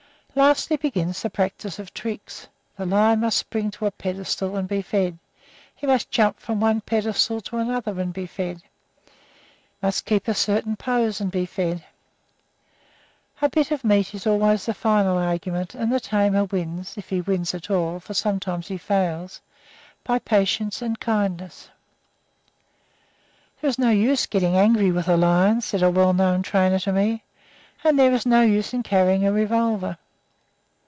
Lastly begins the practice of tricks: the lion must spring to a pedestal and be fed; he must jump from one pedestal to another and be fed, must keep a certain pose and be fed. A bit of meat is always the final argument, and the tamer wins (if he wins at all, for sometimes he fails) by patience and kindness. "There is no use getting angry with a lion," said a well known tamer to me, "and there is no use in carrying a revolver.